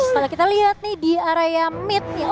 kalau kita lihat nih di area mid nih